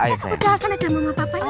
udah kan ada mama papanya